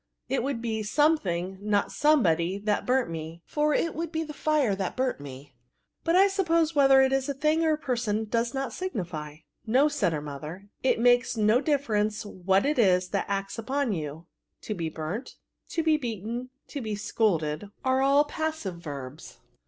It would be something, not somebody, that burnt me ; for it would be the fire that burnt me : but, I suppose, whether it is a thing or a person, does not signify.*' No," said her mother ;^' it makes no difference what it is that acts upon you ; to be burnt, to be beaten, to be scolded, are all passive verbs."